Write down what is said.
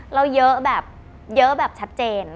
แล้วเยอะแบบชัดเจน